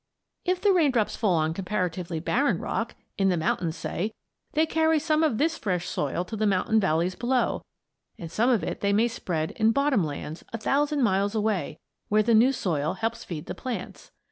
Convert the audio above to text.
If the raindrops fall on comparatively barren rock in the mountains, say they carry some of this fresh soil to the mountain valleys below, and some of it they may spread in bottom lands a thousand miles away, where the new soil helps feed the plants.